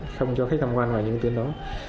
không cho khách thăm quan ngoài những tuyến đó